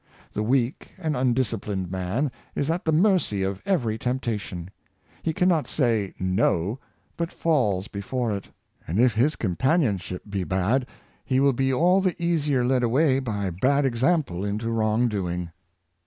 The weak and undisciplined man is at the mercy of every temptation; he can not sa}^ " No," but falls before it. And if his companionship be bad, he will be all the easier led away by bad ex ample into wrong doing.